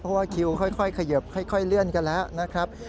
เพราะว่าคิวค่อยเขยิบค่อยเลื่อนกันแล้วนะครับ